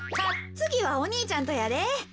つぎはお兄ちゃんとやで。